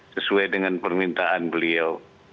sesuai dengan permintaan beliau